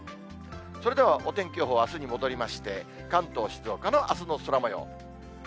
それではお天気予報はあすに戻りまして、関東、静岡のあすの空もよう。